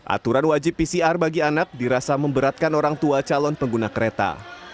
aturan wajib pcr bagi anak dirasa memberatkan orang tua calon pengguna kereta